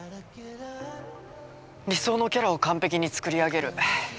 理想のキャラを完璧に作り上げる。